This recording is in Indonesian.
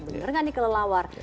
bener gak nih kelelawar